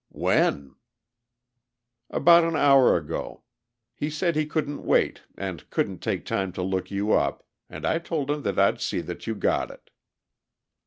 "When?" "About an hour ago. He said he couldn't wait and couldn't take time to look you up, and I told him that I'd see that you got it."